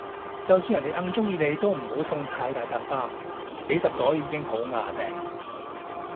就算人哋哽鍾意你都唔好送太大紮花，幾十朵已經好椏掟